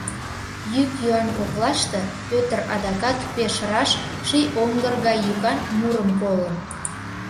Йӱк-йӱан коклаште Пӧтыр адакат пеш раш ший оҥгыр гай йӱкан мурым колын: